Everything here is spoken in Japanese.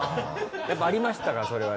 やっぱありましたかそれは？